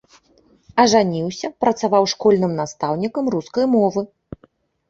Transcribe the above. Ажаніўся, працаваў школьным настаўнікам рускай мовы.